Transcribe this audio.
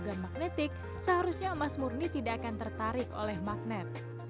sebagai magnetik seharusnya emas murni tidak akan tertarik oleh magnet